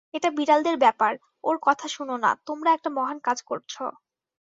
এটা বিড়ালদের ব্যাপার ওর কথা শুনো না, তোমরা একটা মহান কাজ করছো।